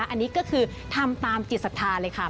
อันนี้ก็คือทำตามจิตศรัทธาเลยค่ะ